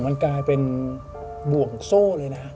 มันกลายเป็นบ่วงโซ่เลยนะ